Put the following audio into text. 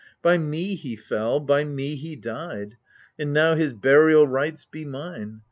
By me he fell, by me he died, And now his burial rites be mine